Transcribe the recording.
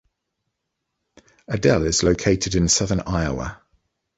Adel is locate in southern Iowa.